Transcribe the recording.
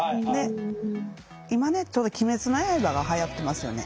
今ねちょうど「鬼滅の刃」がはやってますよね。